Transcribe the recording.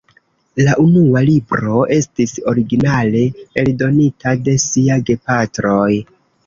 La unua libro estis originale eldonita de sia gepatroj.